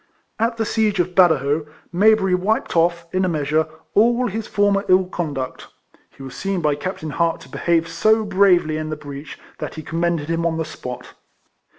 At the siege of Badajoz, Mayberry wiped off, in a measure, all his former ill conduct. He was seen by Captain Hart to behave so bravely in the breach, that he commended him on the spot.